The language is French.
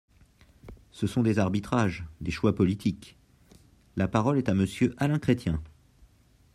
Ce sont des arbitrages, des choix politiques ! La parole est à Monsieur Alain Chrétien.